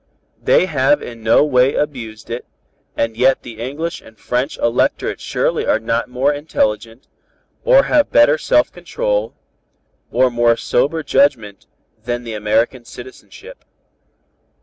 They have in no way abused it, and yet the English and French Electorate surely are not more intelligent, or have better self control, or more sober judgment than the American citizenship.